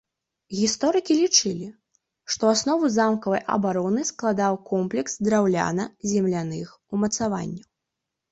Гісторыкі лічылі, што аснову замкавай абароны складаў комплекс драўляна-земляных умацаванняў.